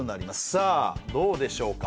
さあどうでしょうか？